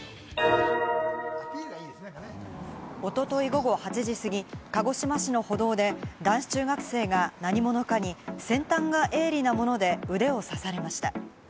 おととい午後８時過ぎ、鹿児島市の歩道で男子中学生が何者かに先端が鋭利なもので腕を刺されました。